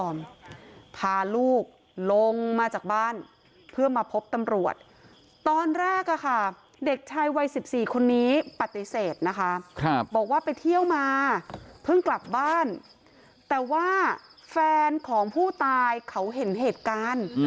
บอกว่าไปเที่ยวมาเพิ่งกลับบ้านแต่ว่าแฟนของผู้ตายเขาเห็นเหตุการณ์